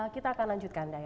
kita akan lanjutkan dialognya